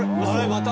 また。